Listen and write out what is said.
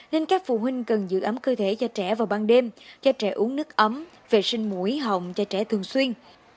nên các phụ huynh cần giữ ấm cơ thể cho trẻ vào ban đêm cho trẻ uống nước ấm vệ sinh mũi họng cho trẻ thường xuyên